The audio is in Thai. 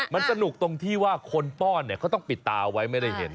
มันสนุกตรงที่ว่าคนป้อนเนี่ยเขาต้องปิดตาไว้ไม่ได้เห็น